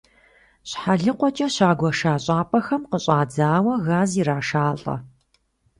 Щхьэлыкъуэкӏэ щагуэша щӏапӏэхэм къыщӏадзауэ газ ирашалӏэ.